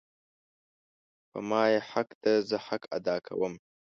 په ما یی حق ده زه حق ادا کوم